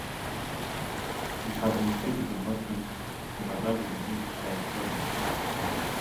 This had initiated the Muslim Ghaznavid and Hindu Shahi struggles.